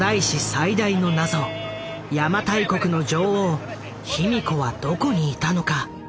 最大の謎邪馬台国の女王卑弥呼はどこにいたのか。